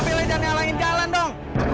mobilnya jangan nyalahin jalan dong